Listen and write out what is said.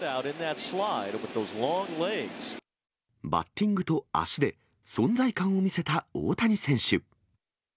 バッティングと足で、存在感を見せた大谷選手。